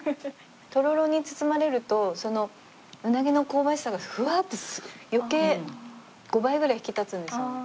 とろろに包まれるとうなぎの香ばしさがふわっと余計５倍ぐらい引き立つんですよ。